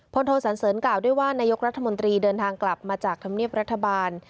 โทสันเสริญกล่าวด้วยว่านายกรัฐมนตรีเดินทางกลับมาจากธรรมเนียบรัฐบาล